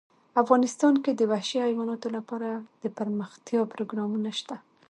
افغانستان کې د وحشي حیواناتو لپاره دپرمختیا پروګرامونه شته.